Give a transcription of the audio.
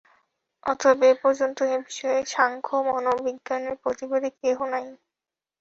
অতএব এ পর্যন্ত এ-বিষয়ে সাংখ্য-মনোবিজ্ঞানের প্রতিবাদী কেহ নাই।